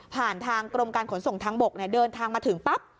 ทางกรมการขนส่งทางบกเดินทางมาถึงปั๊บ